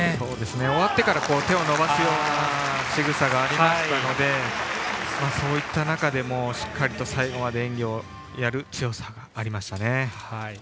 終わってから手を伸ばすようなしぐさがありましたのでそういった中でもしっかりと最後まで演技をやる強さがありましたね。